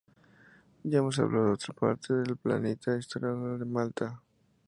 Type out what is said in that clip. Ya hemos hablado en otra parte de Platina, historiador de Malta.